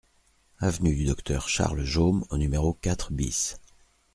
Avenue du Docteur Charles Jaume au numéro quatre BIS